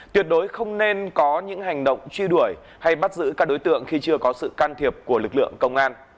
tuyệt đối không nên có những hành động truy đuổi hay bắt giữ các đối tượng khi chưa có sự can thiệp của lực lượng công an